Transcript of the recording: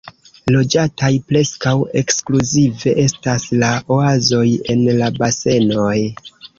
Loĝataj preskaŭ ekskluzive estas la oazoj en la basenoj.